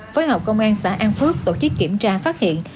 phối hợp công an xã an phước tổ chức kiểm tra phát hiện